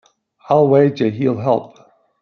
I'll wager he'll help.